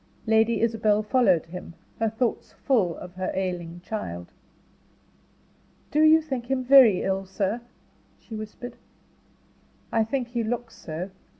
Lady Isabel followed him, her thoughts full of her ailing child. "Do you think him very ill, sir?" she whispered. "I think he looks so.